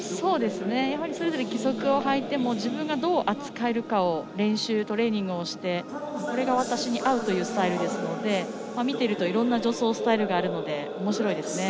やはり、それぞれ義足をはいてもどう扱えるかトレーニングしてこれが私に合うというスタイルですので見ていると、いろいろな助走スタイルがあるのでおもしろいですね。